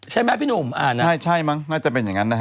ใช่ไหมพี่หนุ่มอ่านะใช่ใช่มั้งน่าจะเป็นอย่างนั้นนะฮะ